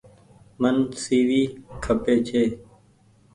مين سي وي کپي ڇي۔